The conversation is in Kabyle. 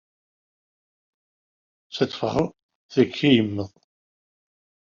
Ur d-tettuɣalemt ara ɣer dagi.